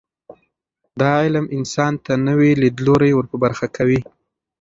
دا علم انسان ته نوي لیدلوري ور په برخه کوي.